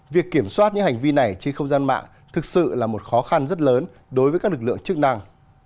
việc kiểm soát những hành vi này trên không gian mạng thực sự là một khó khăn rất lớn đối với các lực lượng chức năng